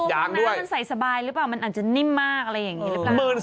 น้ำมันใส่สบายหรือเปล่ามันอาจจะนิ่มมากอะไรอย่างนี้หรือเปล่า